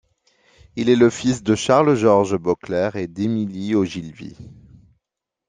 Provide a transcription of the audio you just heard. Il est le fils de Charles George Beauclerk et d'Emily Ogilvie.